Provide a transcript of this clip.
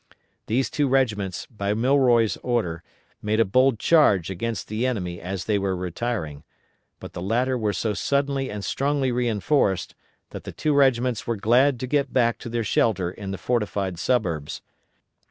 These two regiments, by Milroy's order, made a bold charge against the enemy as they were retiring, but the latter were so suddenly and strongly reinforced that the two regiments were glad to get back to their shelter in the fortified suburbs.